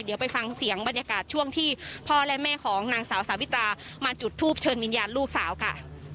เดี๋ยวไปฟังเสียงบรรยากาศช่วงที่พ่อและแม่ของนางสาวสาวิตามาจุดทูปเชิญวิญญาณลูกสาวค่ะ